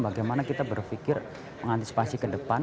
bagaimana kita berpikir mengantisipasi ke depan